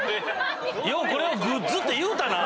ようこれを「グッズ」って言うたな